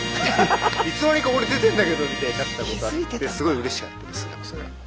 いつの間にか俺出てんだけどみたいになったことあってすごいうれしかったです。